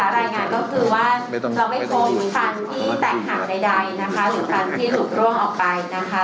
รายงานก็คือว่าเราไม่พบฟันที่แตกหักใดนะคะหรือฟันที่หลุดร่วงออกไปนะคะ